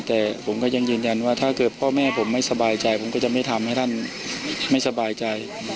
แต่ผมก็ยังยืนยันว่าถ้าเกิดพ่อแม่ผมไม่สบายใจผมก็จะไม่ทำให้ท่านไม่สบายใจ